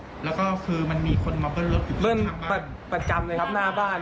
แล้วก็คือมันมีคนมาเบิ้ลรถอยู่เบิ้ลประจำเลยครับหน้าบ้าน